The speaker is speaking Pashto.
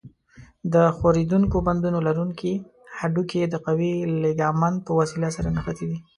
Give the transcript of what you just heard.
د ښورېدونکو بندونو لرونکي هډوکي د قوي لیګامنت په وسیله سره نښتي دي.